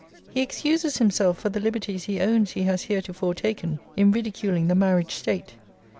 'He excuses himself for the liberties he owns he has heretofore taken in ridiculing the marriage state.